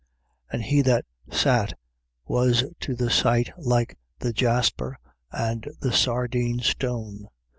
4:3. And he that sat was to the sight like the jasper and the sardine stone.